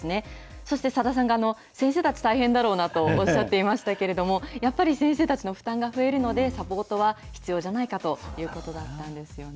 そして、さださんが先生たち大変だろうなとおっしゃっていましたけれども、やっぱり先生たちの負担が増えるので、サポートは必要じゃないかということだったんですよね。